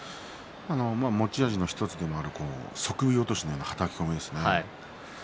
持ち味の１つでもある素首落としのようなものですね